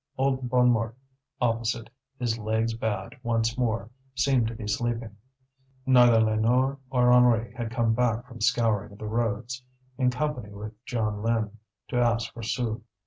Old Bonnemort opposite, his legs bad once more, seemed to be sleeping; neither Lénore nor Henri had come back from scouring the roads, in company with Jeanlin, to ask for sous.